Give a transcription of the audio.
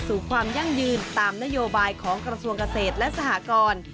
ความยั่งยืนตามนโยบายของกระทรวงเกษตรและสหกร